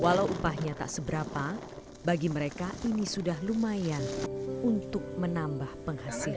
walau upahnya tak seberapa bagi mereka ini sudah lumayan untuk menambah penghasilan